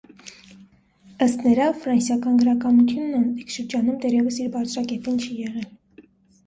Ըստ նրա, ֆրանսիական գրականությունն անտիկ շրջանում դեռևս իր բարձրակետին չի եղել։